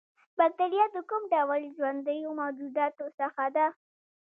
باکتریا د کوم ډول ژوندیو موجوداتو څخه ده